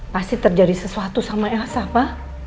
pasti terjadi sesuatu sama elsa pa